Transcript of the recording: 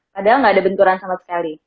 padahal nggak ada benturan sama sekali